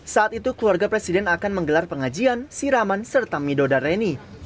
saat itu keluarga presiden akan menggelar pengajian siraman serta midodareni